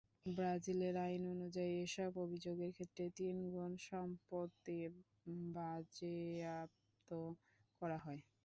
ব্রাজিলের আইন অনুযায়ী এসব অভিযোগের ক্ষেত্রে তিনগুণ সম্পত্তি বাজেয়াপ্ত করা হয়।